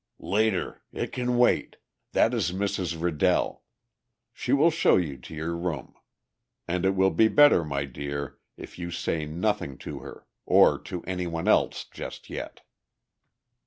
"Later. It can wait. That is Mrs. Riddell. She will show you to your room. And it will be better, my dear, if you say nothing to her. Or to any one else just yet."